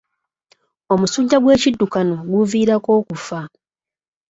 Omusujja gw'ekiddukano guviirako okufa.